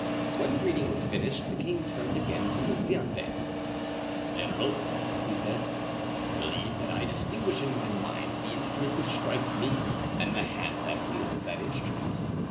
When the reading was finished, the king turned again to Nunziante. "General," he said, "believe that I distinguish in my mind the instrument which strikes me and the hand that wields that instrument.